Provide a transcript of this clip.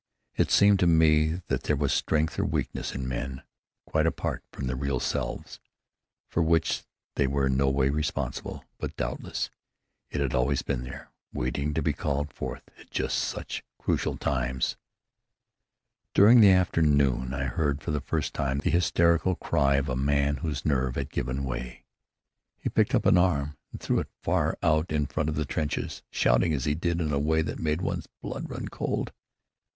It seemed to me that there was strength or weakness in men, quite apart from their real selves, for which they were in no way responsible; but doubtless it had always been there, waiting to be called forth at just such crucial times. During the afternoon I heard for the first time the hysterical cry of a man whose nerve had given way. He picked up an arm and threw it far out in front of the trenches, shouting as he did so in a way that made one's blood run cold.